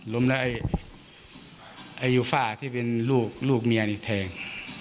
ล้มแล้วไอ้ยูฟ่าที่เป็นลูกเมียนี่แทง